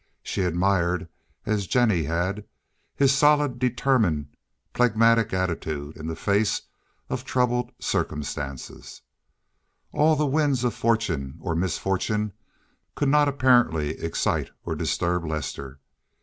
She admired, as Jennie had, his solid, determined, phlegmatic attitude in the face of troubled circumstance. All the winds of fortune or misfortune could not apparently excite or disturb Lester.